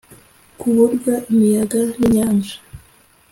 Ku buryo imiyaga n inyanja